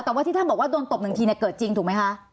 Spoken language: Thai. แต่ว่าที่ท่านบอกว่าโดนตบหนึ่งทีเนี่ยเกิดจริงถูกไหมคะ